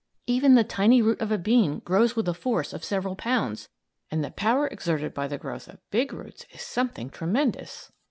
Even the tiny root of a bean grows with a force of several pounds, and the power exerted by the growth of big roots is something tremendous.